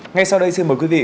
ngay sau đây xin mời quý vị